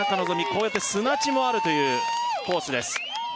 こうやって砂地もあるというコースです